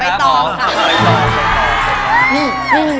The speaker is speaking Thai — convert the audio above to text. ไม่ตอบ